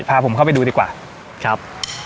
พาผมเข้าไปดูดีกว่าครับ